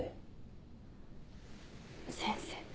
先生